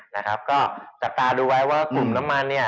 นะครับก็จับตาดูไว้ว่ากลุ่มน้ำมันเนี่ย